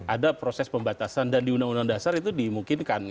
ada proses pembatasan dan di undang undang dasar itu dimungkinkan